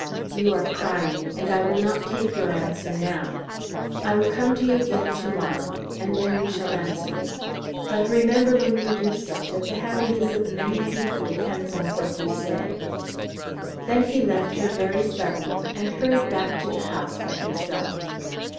You are crying, and I will not take your answer now. I will come to you again to morrow, and then you shall answer me. But, remember when you do so that the happiness of many people depends on what you say." Then he left her very suddenly and hurried back to the house by himself.